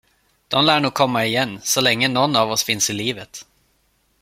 De lär nog komma igen, så länge någon av oss finns i livet.